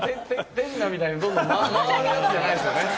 手品みたいにどんどん回るやつじゃないですよね。